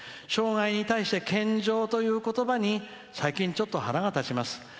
障害に対して健常ということばに最近、ちょっと腹が立ちます。